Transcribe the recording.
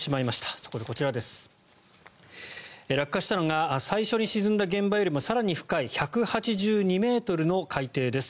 そこでこちら、落下したのが最初に沈んだ現場よりも更に深い１８２ｍの海底です。